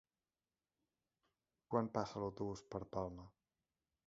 Quan passa l'autobús per Palma?